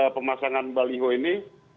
pemasangan baliho ini